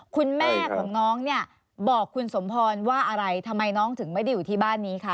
คุณแม่ของน้องเนี่ยบอกคุณสมพรว่าอะไรทำไมน้องถึงไม่ได้อยู่ที่บ้านนี้คะ